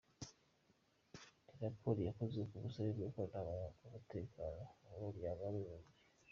Ni raporo yakozwe ku busabe bw'akanama k'umutekano k'umuryango w'abibumbye.